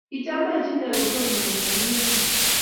Kichamech inne kotomo kecham inendet